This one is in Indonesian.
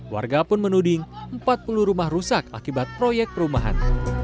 warga pun menuding empat puluh rumah rusak akibat proyek perumahan